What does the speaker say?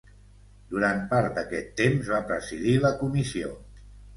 Durant part d'aquest temps va presidir la comissió.